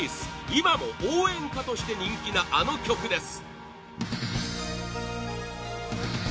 今も応援歌として人気なあの曲です